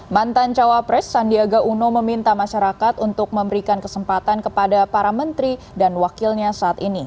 mantan cawapres sandiaga uno meminta masyarakat untuk memberikan kesempatan kepada para menteri dan wakilnya saat ini